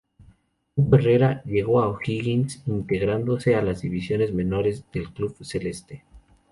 Hugo Herrera llegó a O'Higgins integrándose a las divisiones menores del club celeste.